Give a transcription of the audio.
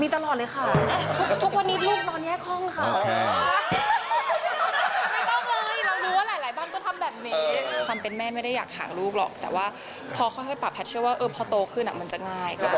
ถามไว้แล้วไงว่ามีลูกแล้วจะรักลูกมากกว่าไหม